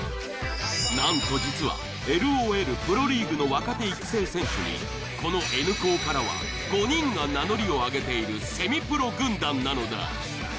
なんと実はＬｏＬプロリーグの若手育成選手にこのＮ高からは５人が名乗りを上げているセミプロ軍団なのだ。